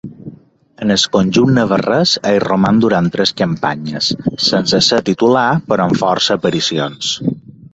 Al conjunt navarrès hi roman durant tres campanyes, sense ser titular però amb força aparicions.